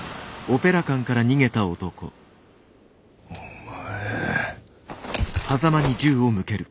お前。